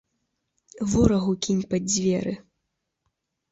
Ворагу кінь пад дзверы!